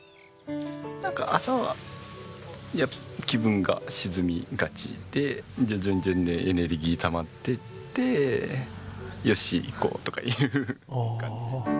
なんか朝は気分が沈みがちで順々にエネルギーたまっていってよし行こう！とかいう感じ。